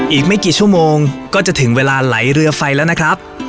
อีกไม่กี่ชั่วโมงก็จะถึงเวลาไหลเรือไฟแล้วนะครับ